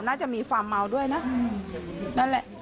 น่าจะมีความเมาด้วยนะนั่นแหละ